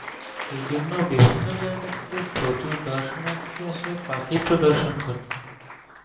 এইজন্য বিভিন্ন জায়গা থেকে প্রচুর দর্শনার্থী আসে পাখি প্রদর্শন করতে।